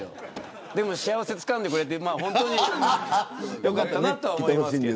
でも幸せをつかんでくれて本当によかったと思います。